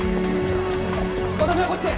私はこっちへ！